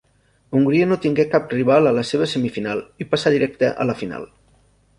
Hongria no tingué cap rival a la seva semifinal i passà directe a la final.